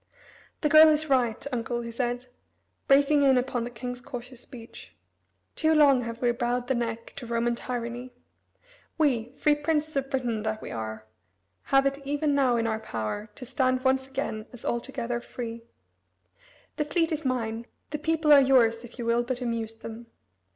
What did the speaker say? "The girl is right, uncle," he said, breaking in upon the king's cautious speech. "Too long have we bowed the neck to Roman tyranny. We, free princes of Britain that we are, have it even now in our power to stand once again as altogether free. The fleet is mine, the people are yours, if you will but amuse them.